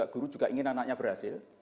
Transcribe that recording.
guru juga ingin anaknya berhasil